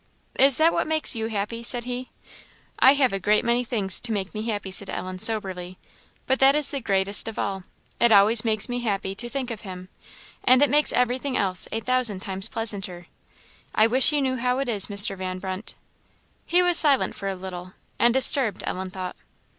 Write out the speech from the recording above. "Is that what makes you happy?" said he. "I have a great many things to make me happy," said Ellen, soberly "but that is the greatest of all. It always makes me happy to think of him, and it makes everything else a thousand times pleasanter. I wish you knew how it is, Mr. Van Brunt!" He was silent for a little, and disturbed, Ellen thought.